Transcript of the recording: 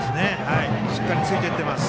しっかりついていってます。